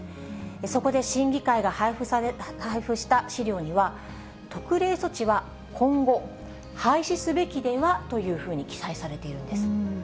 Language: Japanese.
そこで審議会が配布した資料には、特例措置は今後廃止すべきではというふうに記載されているんです。